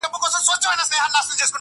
• زړه مي د اشنا په لاس کي وليدی.